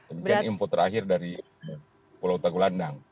ini kan info terakhir dari pulau tagulandang